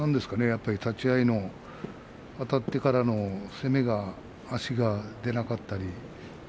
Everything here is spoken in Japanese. やっぱり、立ち合いにあたってからの攻め足が出なかったり